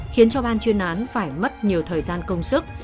khiến cho ban chuyên án phải mất nhiều thời gian công sức